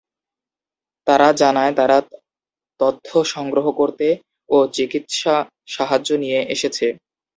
তারা জানায় তারা তথ্য সংগ্রহ করতে ও চিকিৎসা সাহায্য নিয়ে এসেছে।